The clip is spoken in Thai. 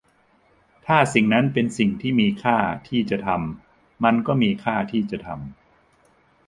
ถ้าสิ่งนั้นเป็นสิ่งที่มีค่าที่จะทำ มันก็มีค่าที่จะทำ